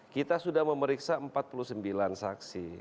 kita sudah memeriksa empat puluh sembilan saksi